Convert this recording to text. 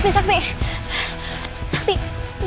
interpersonal tusang leon